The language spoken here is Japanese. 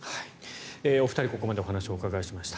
お二人、ここまでお話をお伺いしました。